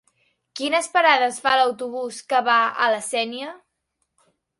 Quines parades fa l'autobús que va a la Sénia?